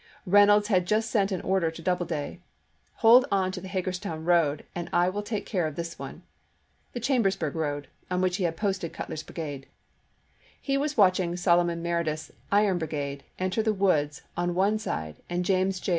Reynolds had just sent an order toDoubleday, "Hold on to theHagerstown road, and I will take care of this one "— the Chambersburg road, on which he had posted Cutler's brigade ; he was watching Solomon Meredith's " Iron brigade " enter the woods on one side and James J.